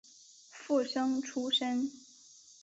附生出身。